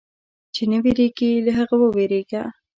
چې نه وېرېږي، له هغه وېرېږه.